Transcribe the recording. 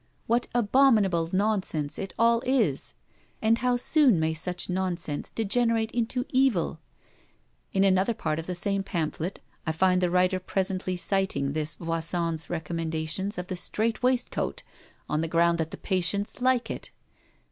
What abominable nonsense is all this! And how soon may such nonsense degenerate into evil. In another part of the same pamphlet I find the writer presently citing this Voisin's recommendation of the 'strait waistcoat' on the ground that the patients like it!